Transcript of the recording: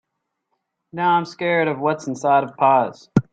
Now, I’m scared of what is inside of pies.